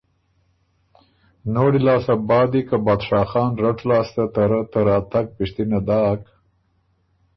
نوړي لاسته بعد دی که بادشاه خان رټ لاسته ته رۀ ته راتګ پِشتِته داک